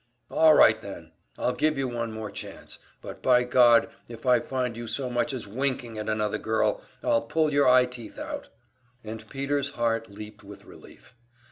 "All right, then, I'll give you one more chance. But by God, if I find you so much as winking at another girl, I'll pull your eye teeth out!" And Peter's heart leaped with relief.